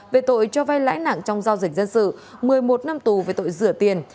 về tội cho vai lãi nặng trong giao dịch dân sự một mươi một năm tù về tội rửa tiền